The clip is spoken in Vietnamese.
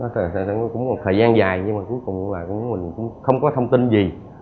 thời gian dài nhưng mà cuối cùng cũng không có thông tin gì